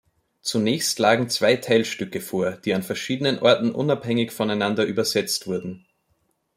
Zunächst lagen zwei Teilstücke vor, die an verschiedenen Orten unabhängig voneinander übersetzt wurden.